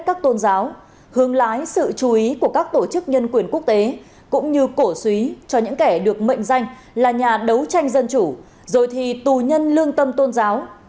các tôn giáo hướng lái sự chú ý của các tổ chức nhân quyền quốc tế cũng như cổ suý cho những kẻ được mệnh danh là nhà đấu tranh dân chủ rồi thì tù nhân lương tâm tôn giáo